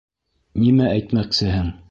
Нимә әйтмәксеһең?